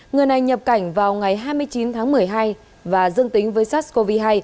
người này nhập cảnh vào ngày hai mươi chín tháng một mươi hai và dương tính với sars cov hai